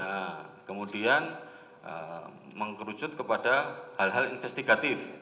nah kemudian mengkerucut kepada hal hal investigatif